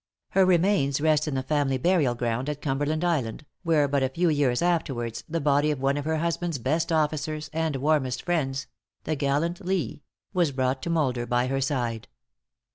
Her remains rest in the family burial ground at Cumberland Island, where but a few years afterwards, the body of one of her husband's best officers and warmest friends the gallant Lee was brought to moulder by her side.